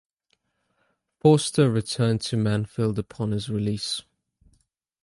Forster returned to Manfield upon his release.